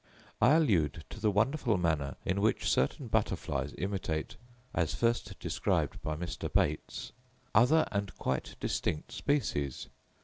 I allude to the wonderful manner in which certain butterflies imitate, as first described by Mr. Bates, other and quite distinct species.